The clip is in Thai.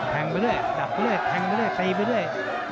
แทงไปด้วยดับไปด้วยตีไปด้วย